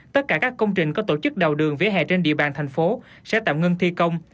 tất cả các công trình có tổ chức đầu đường vỉa hè trên địa bàn tp hcm sẽ tạm ngưng thi công